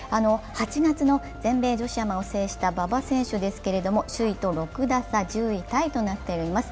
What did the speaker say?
８月の全米女子アマを制した馬場選手ですけれども、首位と６打差、１０位タイとなっています。